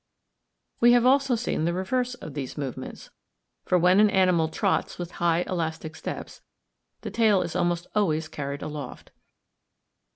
We have also seen the reverse of these movements; for when an animal trots with high elastic steps, the tail is almost always carried aloft.